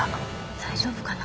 大丈夫かな？